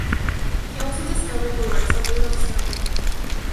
He also discovered the works of Rudolf Steiner.